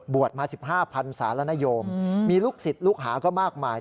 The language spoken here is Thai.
บวชมา๑๕๐๐๐สารณโยมมีลูกศิษย์ลูกหาก็มากมาย